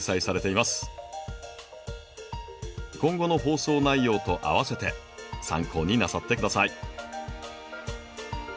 今後の放送内容とあわせて参考になさって下さい。